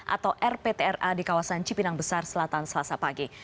atau rptra di kawasan cipinang besar selatan selasa pagi